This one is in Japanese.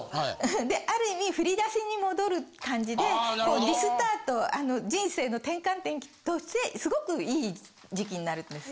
である意味振り出しに戻る感じでこうリスタート人生の転換点としてすごくいい時期になるんです。